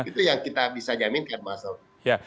itu yang kita bisa jamin tiap masa